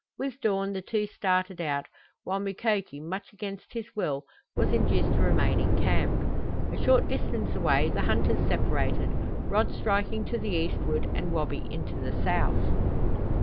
With dawn the two started out, while Mukoki, much against his will, was induced to remain in camp. A short distance away the hunters separated, Rod striking to the eastward and Wabi into the south.